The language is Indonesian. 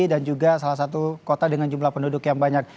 dan juga salah satu kota dengan jumlah penduduk yang banyak